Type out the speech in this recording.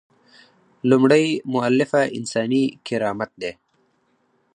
لومړۍ مولفه انساني کرامت دی.